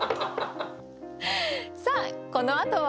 さあこのあとは。